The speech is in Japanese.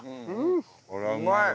これはうまいわ。